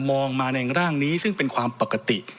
มองมาในร่างนี้ซึ่งเป็นความปกติ